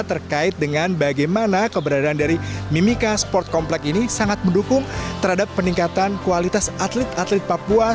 terkait dengan bagaimana keberadaan dari mimika sport complex ini sangat mendukung terhadap peningkatan kualitas atlet atlet papua